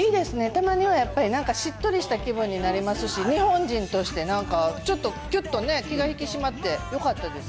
たまにはやっぱり、なんかしっとりした気分になれますし、日本人として、なんか、ちょっときゅっとね、気が引き締まって、よかったです。